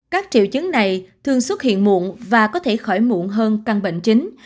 các triệu chứng này thường xuất hiện muộn và có thể khỏi muộn hơn căn bệnh chính